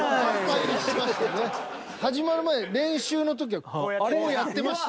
始まる前練習の時はこうやってました。